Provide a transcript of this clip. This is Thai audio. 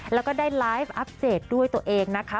แล้วก็ได้ไลฟ์อัปเดตด้วยตัวเองนะคะ